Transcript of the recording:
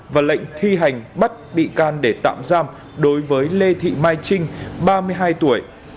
và lệnh thi hành bắt bị can để tạm giam đối với lê thị mai trinh ba mươi hai tuổi